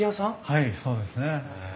はいそうですね。